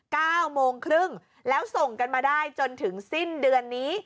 เก้าโมงครึ่งแล้วส่งกันมาได้จนถึงสิ้นเดือนนี้